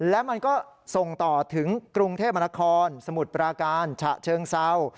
และมันก็ส่งต่อถึงกรุงเทพมนครสมุทรปราการฉะเชิงเศร้า